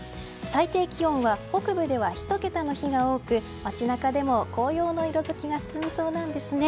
最低気温は北部では１桁の日が多く街中でも紅葉の色づきが進みそうなんですね。